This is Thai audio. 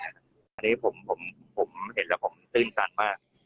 อันนี้ผมเห็นแล้วผมตื้นตันมาก